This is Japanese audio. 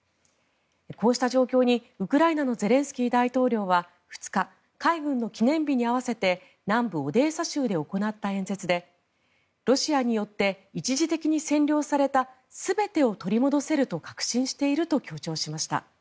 こうした状況にウクライナのゼレンスキー大統領は２日海軍の記念日に合わせて南部オデーサ州で行った演説でロシアによって一時的に占領された全てを取り戻せると確信していると強調しました。